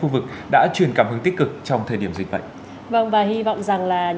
vượt qua giai đoạn khó khăn này